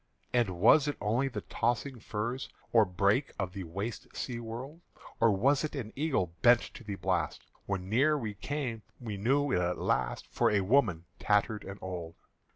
And was it only the tossing furze Or brake of the waste sea wold? Or was it an eagle bent to the blast? When near we came, we knew it at last For a woman tattered and old.